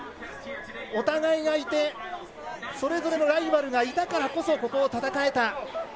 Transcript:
お互いがいて、それぞれのライバルがいたからこそ、ここを戦えた。